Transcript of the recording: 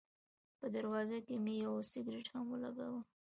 په دروازه کې مې یو سګرټ هم ولګاوه.